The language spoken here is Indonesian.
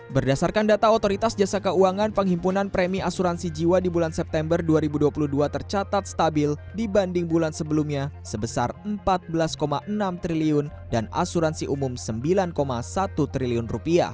berdasarkan data otoritas jasa keuangan penghimpunan premi asuransi jiwa di bulan september dua ribu dua puluh dua tercatat stabil dibanding bulan sebelumnya sebesar rp empat belas enam triliun dan asuransi umum rp sembilan satu triliun